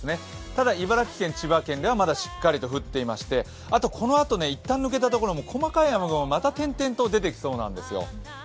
ただ、茨城県、千葉県ではまだしっかり降ってまして、このあと一旦抜けた所も細かい雨雲がまた点々と出てきそうなんですよ。